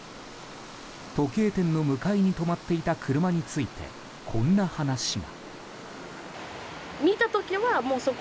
時計店の向かいに止まっていた車について、こんな話が。